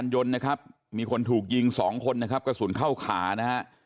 ยนต์นะครับมีคนถูกยิง๒คนนะครับกระสุนเข้าขานะฮะ